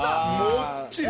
もっちり。